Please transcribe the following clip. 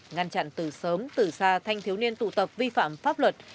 ngăn chặn từ sớm từ xa thanh thiếu niên tụ tập vi phạm pháp luật